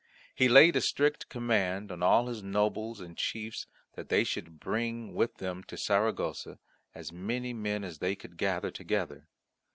He laid a strict command on all his nobles and chiefs that they should bring with them to Saragossa as many men as they could gather together.